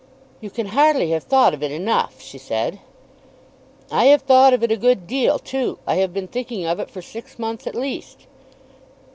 "You can hardly have thought of it enough," she said. "I have thought of it a good deal too. I have been thinking of it for six months at least."